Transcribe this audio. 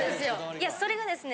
いやそれがですね。